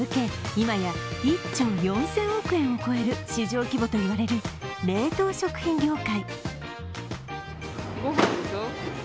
今や１兆４０００億円を超える市場規模といわれる冷凍食品業界。